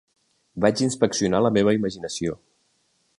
Vaig inspeccionar la meva imaginació.